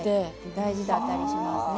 大事だったりしますね。